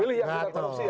pilih yang tidak korupsi ya